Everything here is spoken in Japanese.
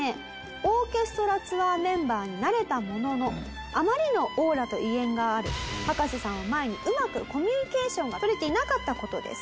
オーケストラツアーメンバーになれたもののあまりのオーラと威厳がある葉加瀬さんを前にうまくコミュニケーションが取れていなかった事です。